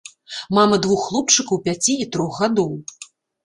Мама двух хлопчыкаў пяці і трох гадоў.